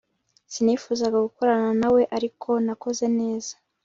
sinifuzaga gukorana na we, ariko nakoze neza